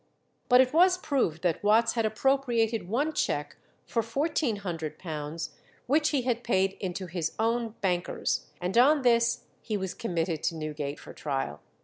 But it was proved that Watts had appropriated one cheque for £1400, which he had paid into his own bankers, and on this he was committed to Newgate for trial.